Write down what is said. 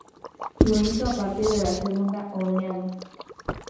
Lo hizo a partir de la segunda oleada.